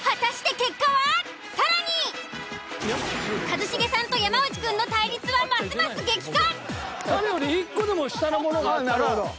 更に一茂さんと山内くんの対立はますます激化！